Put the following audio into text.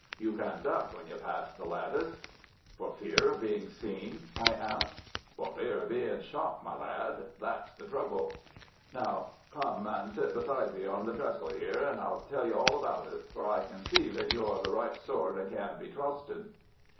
You can duck when you pass the lattice." "For fear of being seen?" I asked. "For fear of bein' shot, my lad. That's the trouble. Now, come an' sit beside me on the trestle 'ere, and I'll tell you all about it, for I can see that you are the right sort and can be trusted."